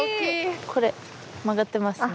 これ曲がってますね。